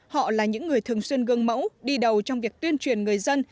họ là những người thường xuyên gương mẫu đi đầu trong việc tuyên truyền người dân